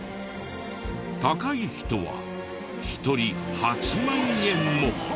高い人は１人８万円も。